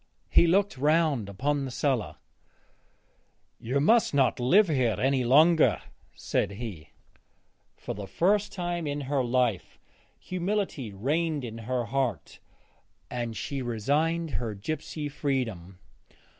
He looked round upon the cellar. 'You must not live here any longer,' said he. For the first time in her life humility reigned in her heart and she resigned her gypsy freedom.